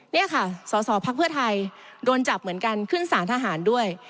นี่ค่ะสสพไทยโดนจับเหมือนกันขึ้นสารทหารด้วย